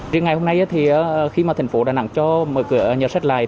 riêng ngày hôm nay khi thành phố đà nẵng cho mở cửa nhà sách lại